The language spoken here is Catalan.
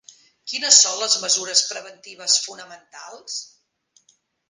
Quines són les mesures preventives fonamentals?